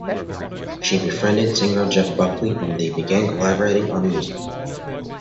She befriended singer Jeff Buckley and they began collaborating on music.